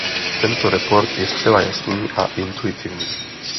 Tento report je zcela jasný a intuitivní.